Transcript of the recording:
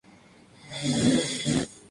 La especie tipo es "A. mexicanus,".